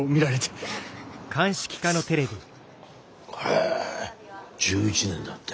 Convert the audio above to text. へえ１１年だって。